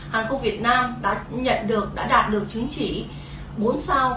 hàng không việt nam đã nhận được đã đạt được chứng chỉ bốn sao